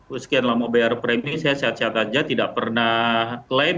oh sekian lama bayar premi saya sehat sehat aja tidak pernah klaim